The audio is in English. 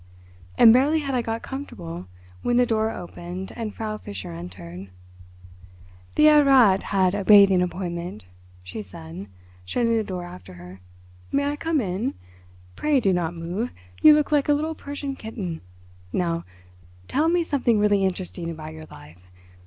And barely had I got comfortable when the door opened and Frau Fischer entered. "The Herr Rat had a bathing appointment," she said, shutting the door after her. "May I come in? Pray do not move. You look like a little Persian kitten. Now, tell me something really interesting about your life.